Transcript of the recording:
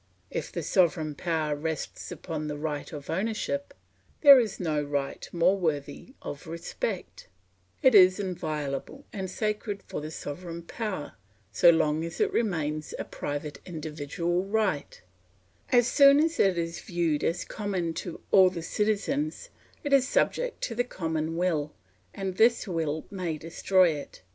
If the sovereign power rests upon the right of ownership, there is no right more worthy of respect; it is inviolable and sacred for the sovereign power, so long as it remains a private individual right; as soon as it is viewed as common to all the citizens, it is subject to the common will, and this will may destroy it.